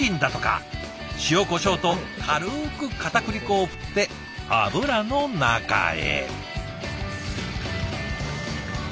塩こしょうと軽くかたくり粉を振って油の中へ。